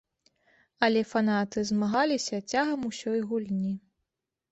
Але фанаты змагаліся цягам усёй гульні.